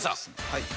はい。